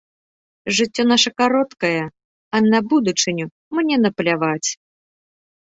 Жыццё нашае кароткае, а на будучыню мне напляваць.